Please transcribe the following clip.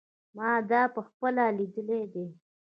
ما دا په خپله لیدلی دی.